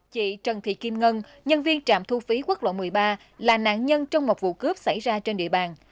chị trần thị kim ngân nhân viên trạm thu phí quốc lộ một mươi ba là nạn nhân trong một vụ cướp xảy ra trên địa bàn